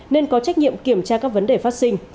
nên có trách nhiệm kiểm tra các vấn đề phát sinh